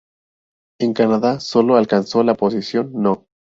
En Canadá solo alcanzó la posición No.